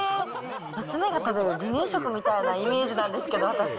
娘が食べる離乳食みたいなイメージなんですけど、私。